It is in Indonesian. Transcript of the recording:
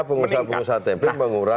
pengusaha pengusaha tempe mengurangi